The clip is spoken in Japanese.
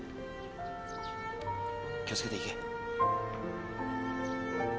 気を付けて行け。